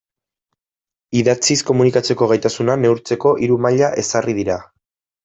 Idatziz komunikatzeko gaitasuna neurtzeko hiru maila ezarri dira.